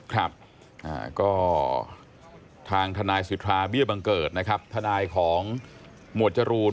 ครับก็ทางทนายสิทธาเบี้ยบังเกิดนะครับทนายของหมวดจรูน